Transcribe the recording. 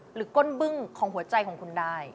ก้นบึ้งของหัวใจของคุณได้